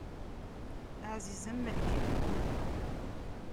Aɛziz am lkil n wudi.